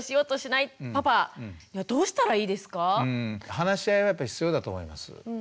話し合いはやっぱり必要だと思います。